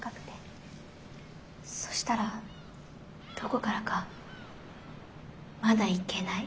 そしたらどこからか「まだいけない。